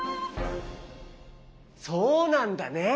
そうなんだね。